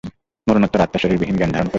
মরণোত্তর আত্মা শরীর বিহীন জ্ঞান ধারণ করে?